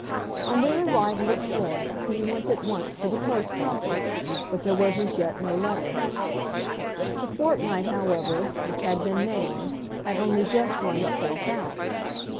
On their arrival at Florence he went at once to the post office, but there was as yet no letter. The fortnight, however, which had been named had only just run itself out.